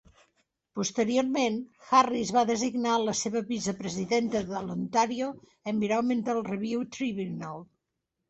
Posteriorment, Harris va designar a la seva vicepresidenta de l'Ontario Environmental Review Tribunal.